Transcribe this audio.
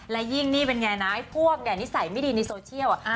และยิ่งนี้เป็นไงนะให้พวกเนี่ยนิสัยไม่ดีในโซเชียลอะ